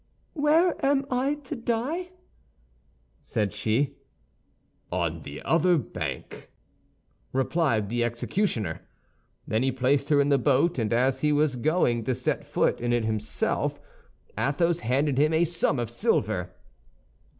"Where am I to die?" said she. "On the other bank," replied the executioner. Then he placed her in the boat, and as he was going to set foot in it himself, Athos handed him a sum of silver.